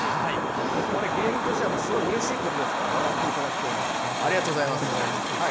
僕も芸人としてはすごいうれしいことですから、笑っていただくというのは。ありがとうございます。